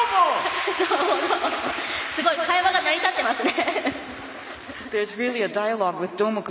会話が成り立ってますね。